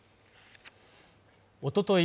おととい